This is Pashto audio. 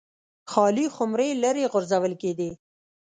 خالي خُمرې لرې غورځول کېدې